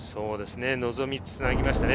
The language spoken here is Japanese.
望みつなぎましたね。